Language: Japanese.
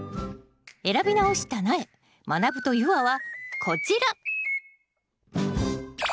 選び直した苗まなぶと夕空はこちら！